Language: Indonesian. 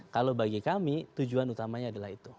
kalau bagi kami tujuan utamanya adalah itu